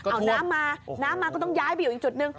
เอาน้ำมาน้ำมาก็ต้องย้ายไปอยู่อีกจุดหนึ่ง